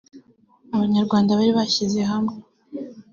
Abanyarwanda bari bashyize hamwe